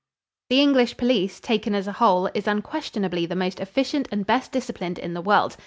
The English police, taken as a whole, is unquestionably the most efficient and best disciplined in the world.